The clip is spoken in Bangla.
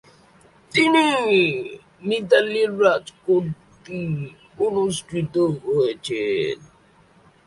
তিনি মিতালী রাজ কর্তৃক অনুসৃত হয়েছেন।